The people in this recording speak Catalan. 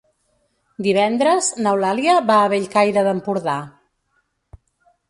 Divendres n'Eulàlia va a Bellcaire d'Empordà.